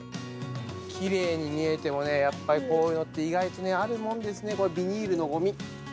きれいに見えてもね、やっぱりこういうのって、意外とあるもんですね、これ、ビニールのごみ。